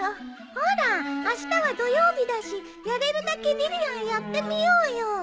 ほらあしたは土曜日だしやれるだけリリアンやってみようよ。